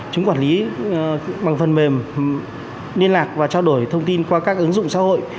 chúng quản lý bằng phần mềm liên lạc và trao đổi thông tin qua các ứng dụng xã hội